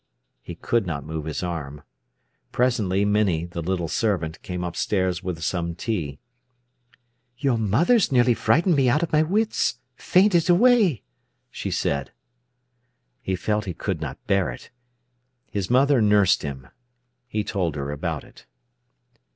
He could not move his arm. Presently Minnie, the little servant, came upstairs with some tea. "Your mother's nearly frightened me out of my wits—fainted away," she said. He felt he could not bear it. His mother nursed him; he told her about it.